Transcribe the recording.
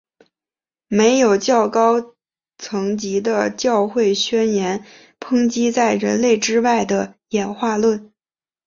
没有较高层级的教会宣言抨击在人类之外的演化论。